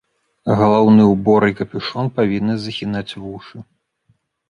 Галаўны ўбор і капюшон павінны захінаць вушы.